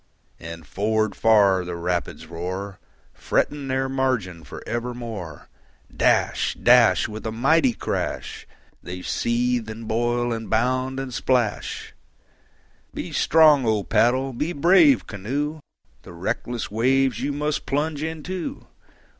And forward far the rapids roar, Fretting their margin for evermore. Dash, dash, With a mighty crash, They seethe, and boil, and bound, and splash. Be strong, O paddle! be brave, canoe! The reckless waves you must plunge into.